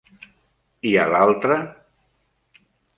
I a l'altra?